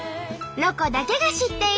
「ロコだけが知っている」。